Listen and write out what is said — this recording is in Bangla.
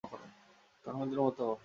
তাহমিদের মতো হও।